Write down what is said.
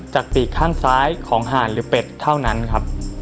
ปีกข้างซ้ายของหานหรือเป็ดเท่านั้นครับ